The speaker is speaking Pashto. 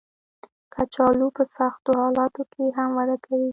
کچالو په سختو حالاتو کې هم وده کوي